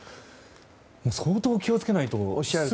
相当気を付けないと。